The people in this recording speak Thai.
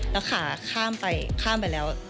แล้วขาข้ามไปข้ามไปแล้ว